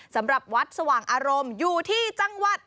สำหรับวัดสว่างอารมณ์อยู่ที่จังหวัด